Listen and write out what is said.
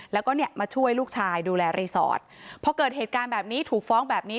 แล้วก็เนี่ยมาช่วยลูกชายดูแลรีสอร์ทพอเกิดเหตุการณ์แบบนี้ถูกฟ้องแบบนี้